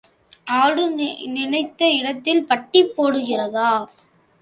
ஆடு நினைத்த இடத்தில் பட்டி போடுகிறதா?